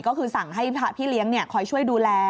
ก็คือสั่งให้พี่เลี้ยงคอยช่วยดูแล